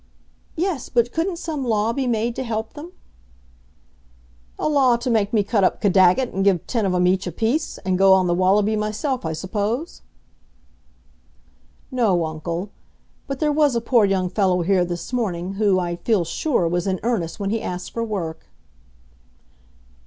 "Yes; but couldn't some law be made to help them?" "A law to make me cut up Caddagat and give ten of 'em each a piece, and go on the wallaby myself, I suppose?" "No, uncle; but there was a poor young fellow here this morning who, I feel sure, was in earnest when he asked for work."